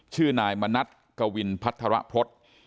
ชื่อนายมณัฐกวินพัฒระพฤษ